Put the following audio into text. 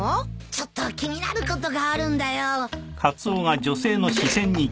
ちょっと気になることがあるんだよ。